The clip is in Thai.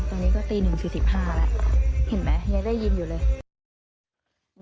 ตอนนี้ก็ตี๑๔๕นาทีแล้ว